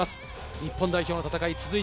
日本代表の戦いが続い